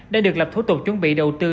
đã được lập thủ tục chuẩn bị đầu tư